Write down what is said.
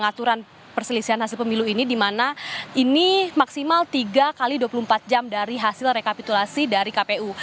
aturan perselisihan hasil pemilu ini di mana ini maksimal tiga x dua puluh empat jam dari hasil rekapitulasi dari kpu